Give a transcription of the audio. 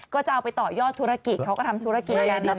ก็จะเอาไปต่อยอดธุรกิจเขาก็ทำธุรกิจกันแบบนี้